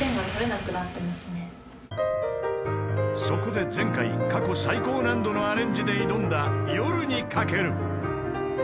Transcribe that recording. ［そこで前回過去最高難度のアレンジで挑んだ『夜に駆ける』］